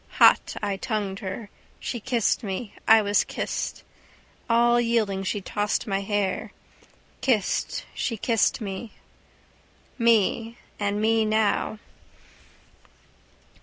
Hot I tongued her. She kissed me. I was kissed. All yielding she tossed my hair. Kissed, she kissed me. Me. And me now.